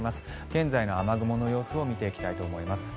現在の雨雲の様子を見ていきたいと思います。